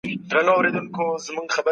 په تجارت کي صداقت ډېر مهم دی.